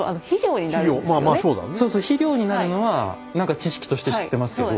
そうそう肥料になるのは何か知識として知ってますけど。